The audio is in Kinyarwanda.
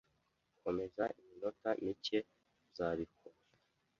Komeza iminota mike, uzabikora?